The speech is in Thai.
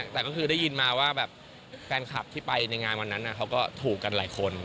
แต่ก็คือได้ยินมาว่าแบบแฟนคลับที่ไปในงานวันนั้นเขาก็ถูกกันหลายคน